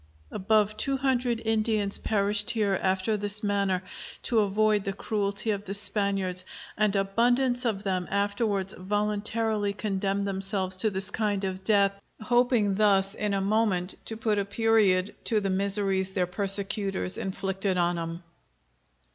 Above two hundred Indians perished here after this manner to avoid the cruelty of the Spaniards, and abundance of them afterwards voluntarily condemned themselves to this kind of death, hoping thus in a moment to put a period to the miseries their persecutors inflicted on 'em.